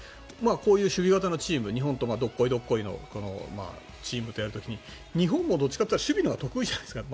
こういう守備型のチーム日本とどっこいどっこいのチームとやる時に日本もどちらかというと守備のほうが得意じゃないですか。